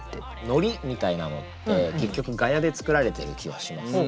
ノリみたいなのって結局「ガヤ」で作られてる気はしますね。